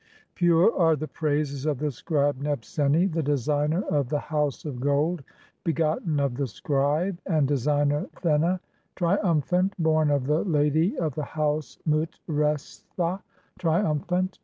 Pure "are the praises (4) of the scribe Nebseni, the designer of the "house of gold, begotten of the scribe and designer Thena, "triumphant, born of the lady of the house Mut restha, trium "phant.